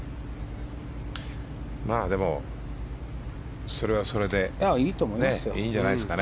まあ、でもそれはそれでいいんじゃないですかね。